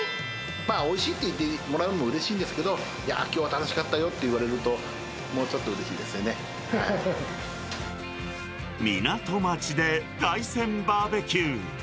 おいしいって言ってもらうのもうれしいんですけど、いやー、きょうは楽しかったよって言われると、もうちょっとうれ港町で海鮮バーベキュー。